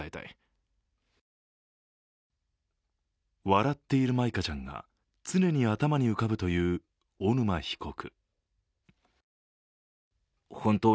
笑っている舞香ちゃんが常に頭に浮かぶという小沼被告。